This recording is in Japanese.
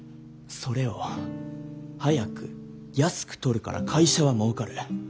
それを速く安く撮るから会社はもうかる。